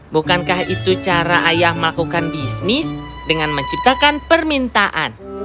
bukankah itu cara ayah melakukan bisnis dengan menciptakan permintaan